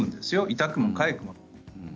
痛くもかゆくもない。